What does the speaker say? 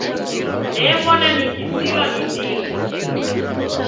New'ona nikisilwa ni ndighi.